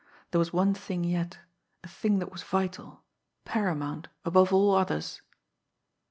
There was one thing yet, a thing that was vital, paramount, above all others.